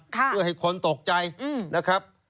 เพื่อให้คนตกใจนะครับ